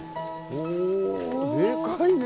おぉでかいね！